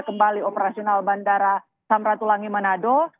kembali operasional bandara samratulangi manado